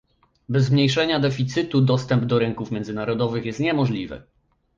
Bez zmniejszenia deficytu dostęp do rynków międzynarodowych jest niemożliwy